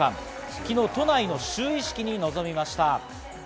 昨日、都内の就位式に臨みました。